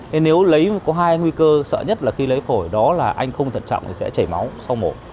thế nếu lấy có hai nguy cơ sợ nhất là khi lấy phổi đó là anh không thật trọng thì sẽ chảy máu sau mổ